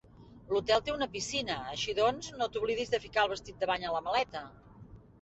L'hotel té una piscina; així doncs, no t'oblidis de ficar el vestit de bany a la maleta